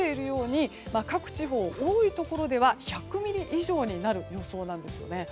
雨量も各地方、多いところでは１００ミリ以上になる予想なんですね。